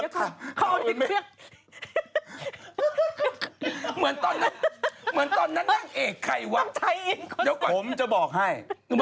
เธอเคยโดนรองเท้าด้วยไม่ใช่เหรอ